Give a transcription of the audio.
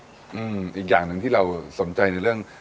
อีกอย่างหนึ่งที่เราสนใจในเรื่อง